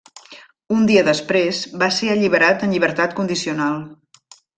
Un dia després va ser alliberat en llibertat condicional.